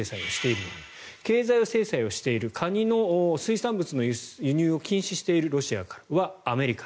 経済制裁をしているカニの水産物の輸入を禁止しているロシアからはアメリカ。